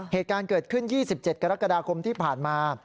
เหตุการณ์เกิดขึ้น๒๗กรกฎาคมที่ผ่านมา